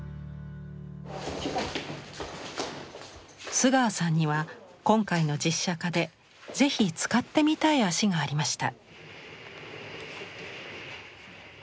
須川さんには今回の実写化で是非使ってみたい足がありました。